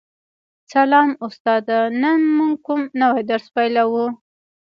سلام استاده نن موږ کوم نوی درس پیلوو